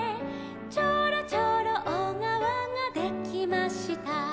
「ちょろちょろおがわができました」